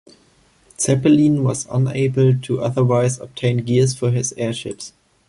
Zeppelin was unable to otherwise obtain gears for his airships.